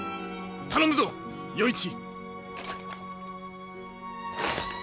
頼むぞ与一！